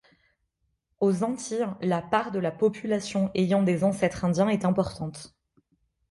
Aux Antilles, la part de la population ayant des ancêtres indiens est importante.